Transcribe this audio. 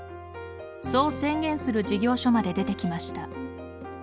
そう宣言する事業所まで出てきました。